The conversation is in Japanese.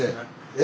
え？